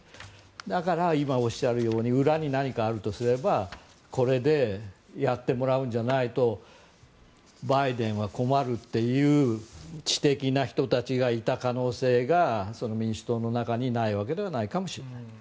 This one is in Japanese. だから、今おっしゃるように裏に何かあるとすればこれでやってもらわないとバイデンは困るという知的な人たちがいた可能性が民主党の中にないわけではないかもしれない。